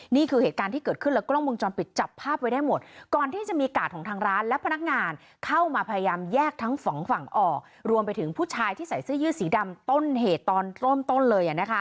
นี่คือเหตุการณ์ที่เกิดขึ้นและกล้องวงจรปิดจับภาพไว้ได้หมดก่อนที่จะมีกาดของทางร้านและพนักงานเข้ามาพยายามแยกทั้งสองฝั่งออกรวมไปถึงผู้ชายที่ใส่เสื้อยืดสีดำต้นเหตุตอนเริ่มต้นเลย